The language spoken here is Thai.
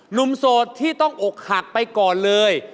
โสดที่ต้องอกหักไปก่อนเลย